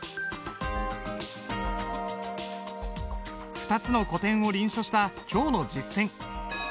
２つの古典を臨書した今日の実践。